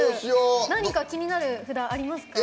何か気になる札ありますか？